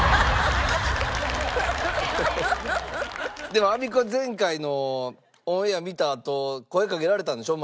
でもアビコ前回のオンエア見たあと声掛けられたんでしょ？